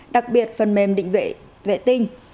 đặc biệt phần mềm định vệ vệ tinh